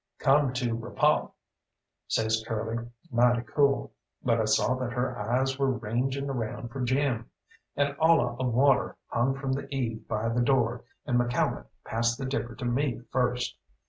"Come to repawt," says Curly, mighty cool, but I saw that her eyes were ranging around for Jim. An olla of water hung from the eave by the door, and McCalmont passed the dipper to me first.